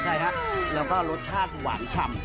ใช่ครับแล้วก็รสชาติหวานฉ่ำ